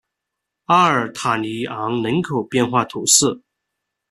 阿尔塔尼昂人口变化图示